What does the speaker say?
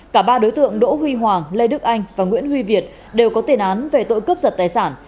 cả ba đối tượng đỗ huy hoàng lê đức anh và nguyễn huy việt đều có tiền án về tội cướp giật tài sản